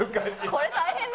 これ大変だよね。